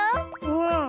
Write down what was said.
うん。